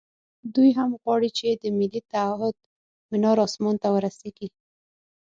دوی هم غواړي چې د ملي تعهُد منار اسمان ته ورسېږي.